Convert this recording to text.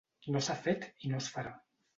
No s’ha fet i no es farà.